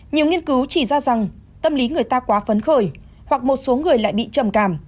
nhiều nghiên cứu chỉ ra rằng tâm lý người ta quá phấn khởi hoặc một số người lại bị trầm cảm